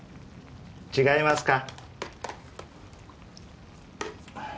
違いますか？